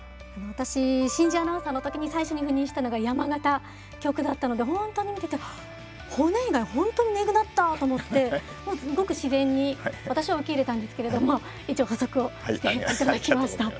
私新人アナウンサーの時に最初に赴任したのが山形局だったので本当に見てて骨以外本当にねぐなったと思ってごく自然に私は受け入れたんですけれども一応補足をしていただきました。